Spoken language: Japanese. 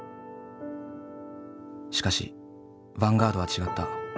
しかしヴァンガードは違った。